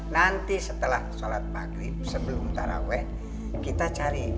nanti setelah sholat pagi sebelum taraweh kita cari